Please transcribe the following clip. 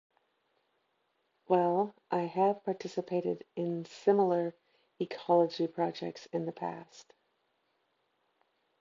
Well, I have participated in similar ecology projects in the past.